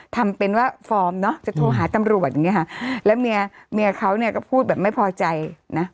ทำเป็นว่าฟอร์มเนอะจะโทรหาตำรวจอย่างเงี้ค่ะแล้วเมียเมียเขาเนี่ยก็พูดแบบไม่พอใจนะ